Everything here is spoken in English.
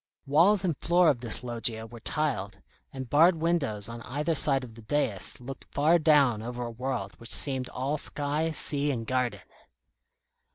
Walls and floor of this loggia were tiled, and barred windows on either side the dais looked far down over a world which seemed all sky, sea, and garden.